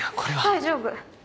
大丈夫。